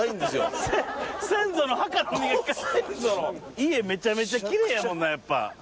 家めちゃめちゃきれいやもんなやっぱ。